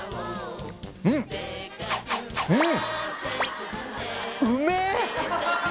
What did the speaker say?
うんうん！